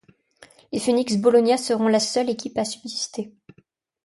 Les Phoenix Bologna seront la seule équipe à subsister.